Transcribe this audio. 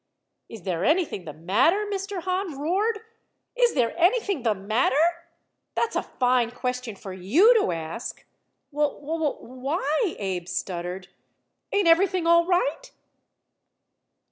"Is there anything the matter!" Mr. Hahn roared. "Is there anything the matter! That's a fine question for you to ask." "W w why?" Abe stuttered. "Ain't everything all right?"